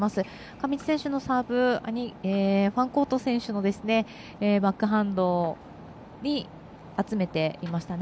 上地選手のサーブファンコート選手のバックハンドに集めていましたね。